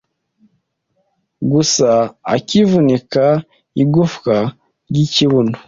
gusa akavunika igufwa ry’ikibuno